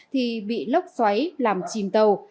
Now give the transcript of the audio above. thì bị lốc xoáy làm chìm tàu